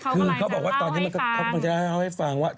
ไม่เขากำลังจะเล่าให้ฟัง